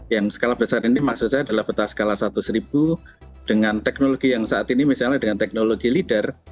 yang skala besar ini maksud saya adalah peta skala seratus ribu dengan teknologi yang saat ini misalnya dengan teknologi leader